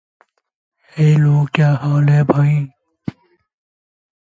Teaser Prep is another movement that is commonly included in the Long Box Group.